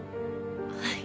はい。